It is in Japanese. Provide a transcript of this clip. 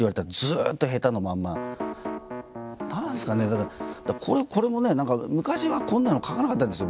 何ですかねだからこれもね何か昔はこんなの書かなかったんですよ